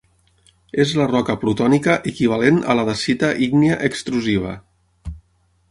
És la roca plutònica equivalent a la dacita ígnia extrusiva.